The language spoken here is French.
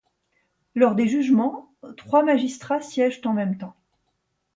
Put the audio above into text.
Lors des jugements, trois magistrats siègent en même temps.